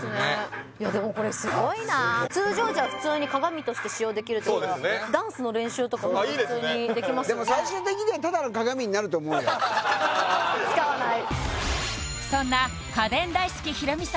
いやでもこれすごいな通常時は普通に鏡として使用できるってことはダンスの練習とかも普通にできますもんねでも最終的にはただの鏡になると思うよ使わない